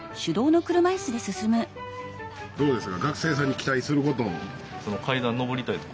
どうですか？